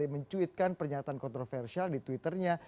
mencuitkan pernyataan kontroversial di twitternya